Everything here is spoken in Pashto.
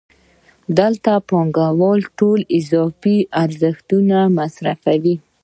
دلته پانګوال ټول اضافي ارزښت مصرفوي